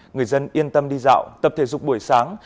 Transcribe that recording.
người dân yên tâm đi dạo tập thể dục buổi sáng